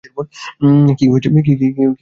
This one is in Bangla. কি হইছে সব ভুলে যাও।